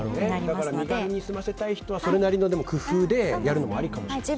だから身軽に済ませたい人はそれなりの工夫でやるのもありかもしれないですね。